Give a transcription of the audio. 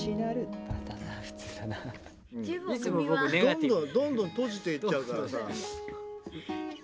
・どんどんどんどん閉じていっちゃうからさ。